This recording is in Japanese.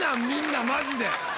みんなマジで。